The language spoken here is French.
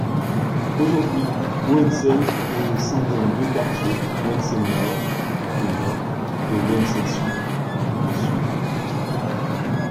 Aujourd'hui, Woensel est scindé en deux quartiers, Woensel-Noord au nord et Woensel-Zuid au sud.